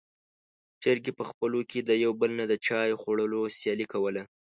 چرګې په خپلو کې د يو بل نه د چای خوړلو سیالي کوله.